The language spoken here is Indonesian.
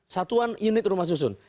satuan unit rumah susun